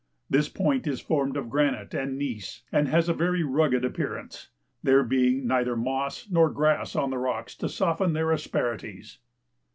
This point is formed of granite and gneiss, and has a very rugged appearance, there being neither moss nor grass on the rocks to soften their asperities.